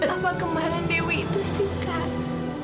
apa kembara dewi itu sih kak